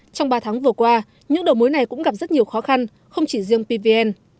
trong ba tháng vừa qua những đầu mối này cũng gặp rất nhiều khó khăn không chỉ riêng pvn